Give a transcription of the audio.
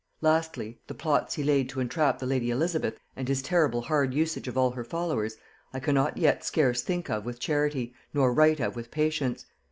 "Lastly, the plots he laid to entrap the lady Elizabeth, and his terrible hard usage of all her followers, I cannot yet scarce think of with charity, nor write of with patience.